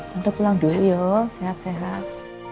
tentu pulang dulu yuk sehat sehat